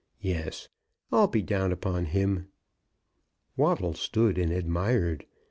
Yes; I'll be down upon him." Waddle stood and admired.